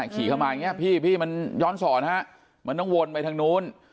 ขี่เข้ามาอย่างนี้พี่มันย้อนสอนฮะมันต้องวนไปทางนู้น